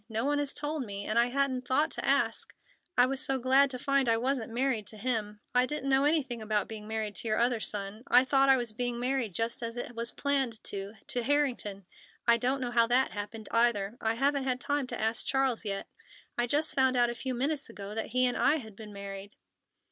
No one has told me, and I hadn't thought to ask, I was so glad to find I wasn't married to him. I didn't know anything about being married to your other son. I thought I was being married just as it was planned to—to Harrington. I don't know how that happened either. I haven't had time to ask Charles yet. I just found out a few minutes ago that he and I had been married."